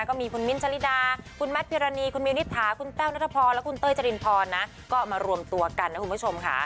ก็มีคุณมิ้นทะลิดาคุณแมทพิรณีคุณมิวนิษฐาคุณแต้วนัทพรและคุณเต้ยจรินพรนะก็มารวมตัวกันนะคุณผู้ชมค่ะ